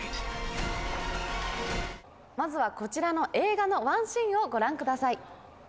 まずはこちらの映画のワンシーンをご覧ください。